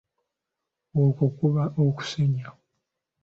Okwo kuba okuseenya.